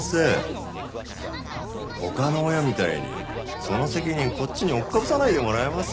他の親みたいにその責任こっちにおっかぶさないでもらえます？